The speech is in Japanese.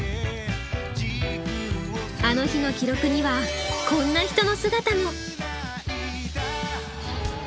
「あの日」の記録にはこんな人の姿も！